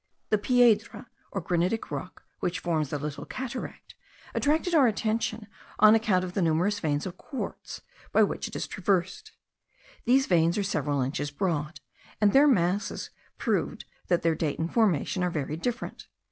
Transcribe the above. The Piedra, or granitic rock which forms the little cataract, attracted our attention on account of the numerous veins of quartz by which it is traversed. These veins are several inches broad, and their masses proved that their date and formation are very different.